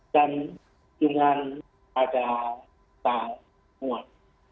dan dengan agar tak muat